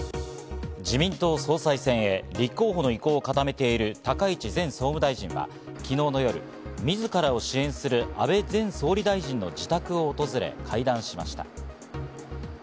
自民党総裁選へ立候補の意向を固めている高市前総務大臣は昨日の夜自らを支援する安倍前総理大臣の自宅を訪れ、会談しました。